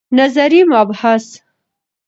نظري مباحث